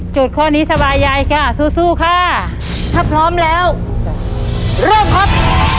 ข้อนี้สบายใจค่ะสู้สู้ค่ะถ้าพร้อมแล้วเริ่มครับ